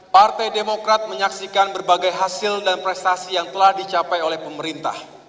partai demokrat menyaksikan berbagai hasil dan prestasi yang telah dicapai oleh pemerintah